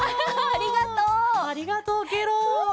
ありがとうケロ。